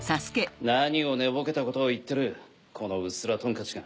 何を寝ぼけたことを言ってるこのウスラトンカチが。